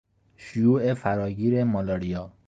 شیوع فراگیر مالاریا